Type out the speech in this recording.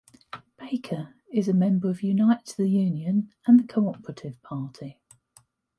Baker is a member of Unite the Union and the Co-operative Party.